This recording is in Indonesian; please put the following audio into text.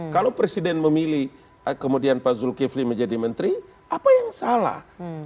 kalau presiden memilih kemudian pak zulkifli menjadi menteri apa yang salah